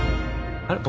あれ？